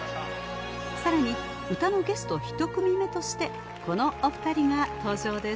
更に歌のゲストひと組目としてこのお二人が登場です